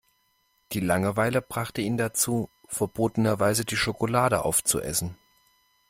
Die Langeweile brachte ihn dazu, verbotenerweise die Schokolade auf zu essen.